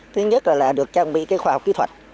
thứ nhất là được trang bị cái khoa học kỹ thuật